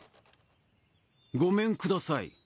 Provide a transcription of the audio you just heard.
ごめんください。